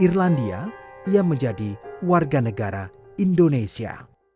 irlandia ia menjadi warga negara indonesia